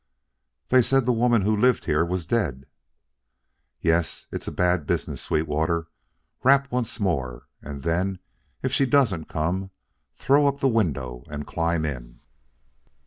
"They said the woman who lived here was dead." "Yes. It's a bad business, Sweetwater. Rap once more, and then if she doesn't come, throw up the window and climb in."